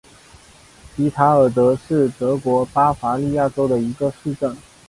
比塔尔德是德国巴伐利亚州的一个市镇。